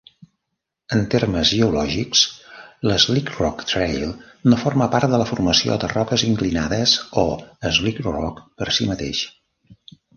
En termes geològics, l'Slickrock Trail no forma part de la formació de roques inclinades, o "slickrock", per si mateix.